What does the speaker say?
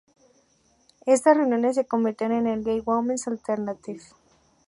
Estas reuniones se convirtieron en el Gay Women's Alternative.